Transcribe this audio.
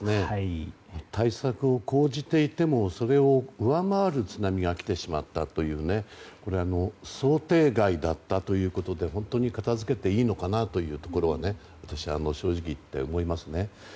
対策を講じていてもそれを上回る津波が来てしまったというこれは想定外だったということで本当に片づけていいのかなというところは私、正直言って思いますね。